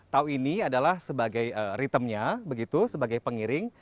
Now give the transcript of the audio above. tau ini adalah sebagai ritemnya sebagai pengiring